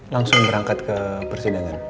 langsung berangkat ke persidangan